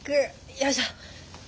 よいしょ！